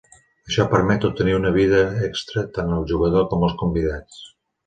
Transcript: Això permet obtenir una vida extra tant al jugador com als convidats.